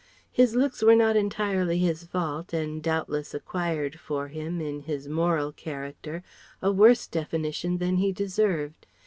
His looks were not entirely his fault and doubtless acquired for him, in his moral character, a worse definition than he deserved.